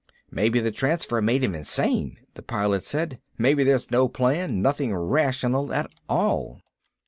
"Maybe the transfer made him insane," the Pilot said. "Maybe there's no plan, nothing rational at all."